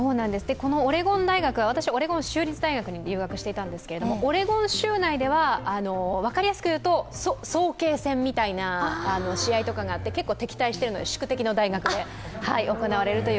このオレゴン大学は、私はオレゴン州立大学に留学していたんですけれども、オレゴン州内では分かりやすく言うと早慶戦みたいな試合とかがあって結構、敵対しているので、宿敵の大学で行われると。